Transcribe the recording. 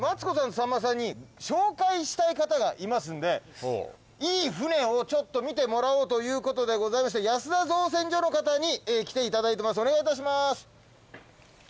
さんまさんに紹介したい方がいますんでほういい船をちょっと見てもらおうということでございましてお願いいたします